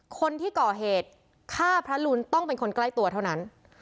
คนที่ก่อเหตุฆ่าพระลุนต้องเป็นคนใกล้ตัวเท่านั้น